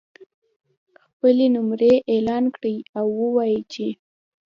خپلې نمرې اعلان کړي او ووایي چې